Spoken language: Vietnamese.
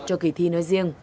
cho kỳ thi nơi riêng